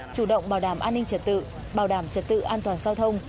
chủ động bảo đảm an ninh trật tự bảo đảm trật tự an toàn giao thông